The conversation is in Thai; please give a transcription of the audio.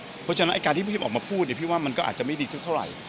เพราะฉะนั้นการที่พี่ออกมาพูดพี่ว่ามันก็อาจจะไม่ดีสักเท่าไหร่